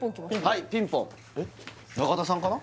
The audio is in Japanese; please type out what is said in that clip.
はいピンポン中田さんかな？